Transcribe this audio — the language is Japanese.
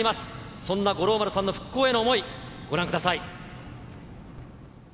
そんな五郎丸さんの復興への想い、ご覧ください。